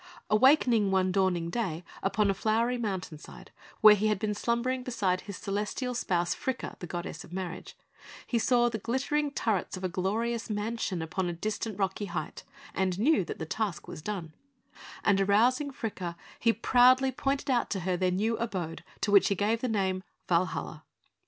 Awakening one dawning day upon a flowery mountain side, where he had been slumbering beside his celestial spouse, Fricka, the goddess of Marriage, he saw the glittering turrets of a glorious mansion upon a distant rocky height, and knew that the task was done; and arousing Fricka, he proudly pointed out to her their new abode, to which he gave the name of Valhalla.